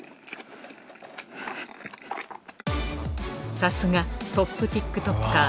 さすがトップＴｉｋＴｏｋｅｒ。